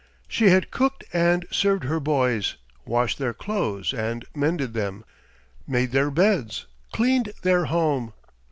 She had cooked and served her boys, washed their clothes and mended them, made their beds, cleaned their home.